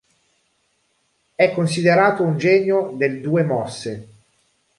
È considerato un genio del due mosse.